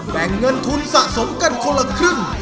แบ่งเงินทุนสะสมกันคนละครึ่ง